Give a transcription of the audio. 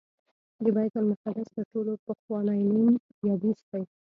د بیت المقدس تر ټولو پخوانی نوم یبوس دی.